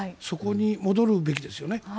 そこに戻るべきですよね。